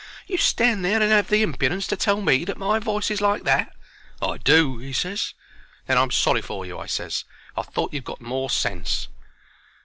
"You stand there and 'ave the impudence to tell me that my voice is like that?" "I do," he ses. "Then I'm sorry for you," I ses. "I thought you'd got more sense."